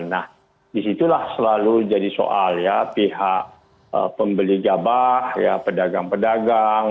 nah disitulah selalu jadi soal ya pihak pembeli gabah ya pedagang pedagang